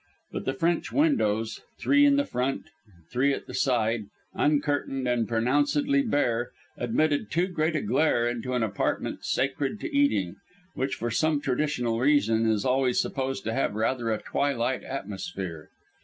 But the French windows three in the front and three at the side uncurtained and pronouncedly bare, admitted too great a glare into an apartment sacred to eating, which, for some traditional reason, is always supposed to have rather a twilight atmosphere.